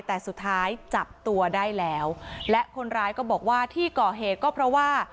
แต่สุดท้ายจับตัวได้แล้วและคนร้ายก็บอกว่าที่ก่อเหตุก็เพราะว่า